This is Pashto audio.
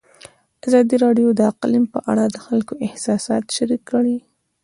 ازادي راډیو د اقلیم په اړه د خلکو احساسات شریک کړي.